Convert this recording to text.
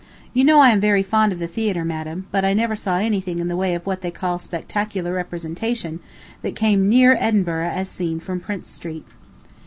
You know I am very fond of the theatre, madam, but I never saw anything in the way of what they call spectacular representation that came near Edinburgh as seen from Prince Street.